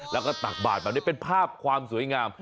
และก็ตักบาดเป็นภาพความสวยงาม